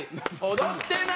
「踊ってない」